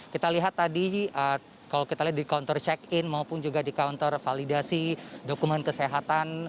kita lihat tadi kalau kita lihat di counter check in maupun juga di counter validasi dokumen kesehatan